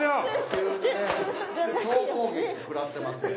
急にね総攻撃食らってますよ。